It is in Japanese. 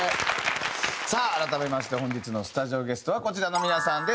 さあ改めまして本日のスタジオゲストはこちらの皆さんです。